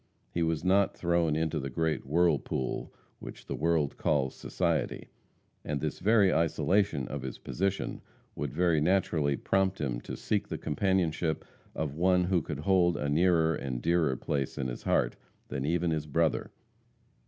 He was not thrown into the great whirlpool which the world calls society, and this very isolation of his position would very naturally prompt him to seek the companionship of one who could hold a nearer and dearer place in his heart than even his brother.